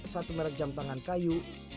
satu merek jam tangan kayu